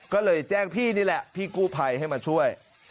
ก็เลยแจ้งพี่นี่แหละพี่กู้ภัยให้มาช่วย